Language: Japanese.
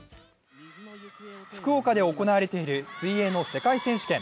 福岡で行われている水泳の世界選手権。